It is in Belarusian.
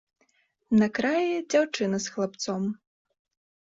На краі дзяўчына з хлапцом.